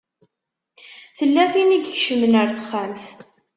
Tella tin i ikecmen ar texxamt.